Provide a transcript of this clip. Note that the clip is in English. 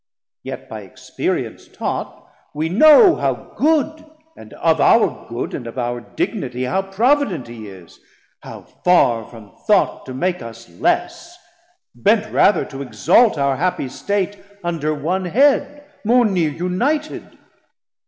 Yet by experience taught we know how good, And of our good, and of our dignitie How provident he is, how farr from thought To make us less, bent rather to exalt Our happie state under one Head more neer United.